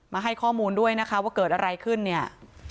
ให้ข้อมูลด้วยนะคะว่าเกิดอะไรขึ้นเนี่ย